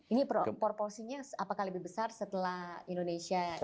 ini proporsinya apakah lebih besar setelah indonesia